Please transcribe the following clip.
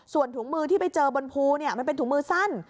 ส่วนถุงมือที่ไปเจอบนภูมันเป็นถุงมือสั้น